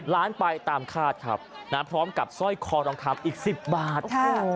๒๐ล้านไปตามคาดครับนะฮะพร้อมกับสร้อยคอรองคลับอีก๑๐บาทโอ้โฮ